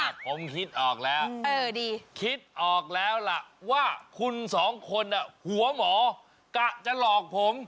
ผมคิดออกแล้วคิดออกแล้วล่ะว่าคุณสองคนหัวหมอกะจะหลอกผม